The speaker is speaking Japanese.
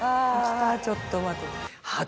あぁちょっと待って。